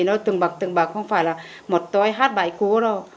nó từng bậc từng bậc không phải là một tôi hát bài cũ đâu